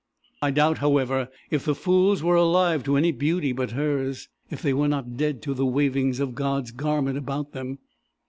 I doubt, however, if the fools were alive to any beauty but hers, if they were not dead to the wavings of God's garment about them.